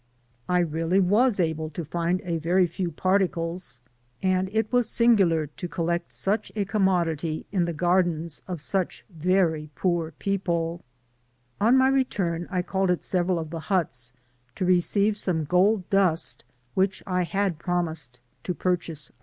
I really was able to find a very few particles, and it was singular to collect such a ccnn modity in the gardens of such very poor people* On my return I called at several of the huts, to receive some gold dust which I had promised to purchase.